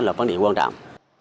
đó là vấn đề quan trọng